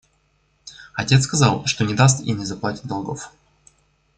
Отец сказал, что не даст и не заплатит долгов.